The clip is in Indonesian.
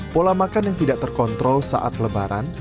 pola makan yang tidak terkontrol saat lebaran